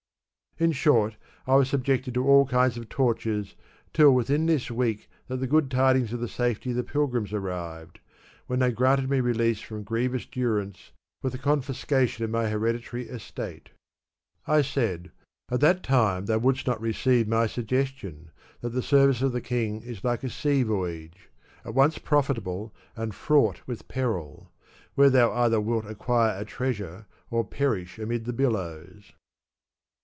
In short, I was subjected to all kinds of tortures till within this week that the good tidings of the safety of the pilgrims^ arrived, when they granted me release from grievous durance, with the confiscation of my hereditary estate.'' I said :" At that time thou wouldst not receive my suggestion, that the service of the king is like a sea voyage, at once profitable and fraught with peril; where thou either wilt acquire a treasure, or perish amid the billows.